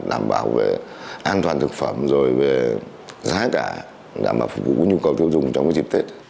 đảm bảo về an toàn thực phẩm rồi về giá cả đảm bảo phục vụ nhu cầu tiêu dùng trong dịp tết